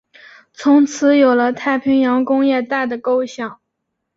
从此有了太平洋工业带的构想。